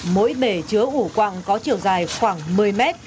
mỗi bể chứa ủ quặng có chiều dài khoảng một mươi mét